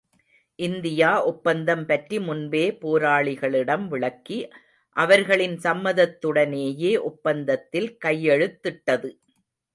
India ஒப்பந்தம் பற்றி முன்பே போராளிகளிடம் விளக்கி, அவர்களின் சம்மதத்துடனேயே ஒப்பந்தத்தில் கையெழுத்திட்டது.